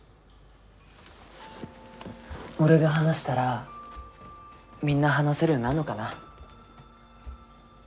俺が話したらみんな話せるようになんのかな。